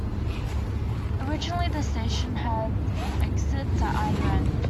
Originally the station had exits at either end.